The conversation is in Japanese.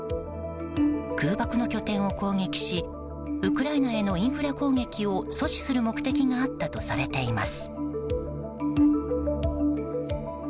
空爆の拠点を攻撃しウクライナへのインフラ攻撃を阻止する目的があったとされています。